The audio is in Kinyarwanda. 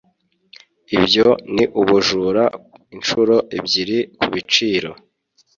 ibyo ni ubujura inshuro ebyiri kubiciro